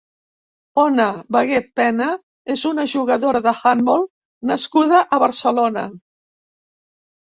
Ona Vegué Pena és una jugadora d'handbol nascuda a Barcelona.